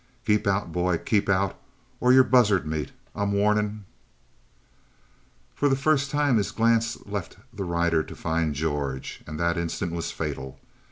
"Keep out boy! Keep out, or you're buzzard meat. I'm warnin' " For the first time his glance left the rider to find George, and that instant was fatal.